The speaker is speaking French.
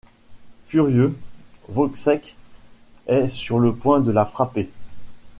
Furieux, Wozzeck est sur le point de la frapper.